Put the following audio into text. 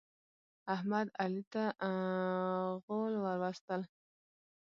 احمد، علي ته غول ور وستل.